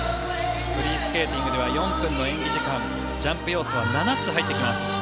フリースケーティングでは４分の演技時間ジャンプ要素は７つ入ってきます。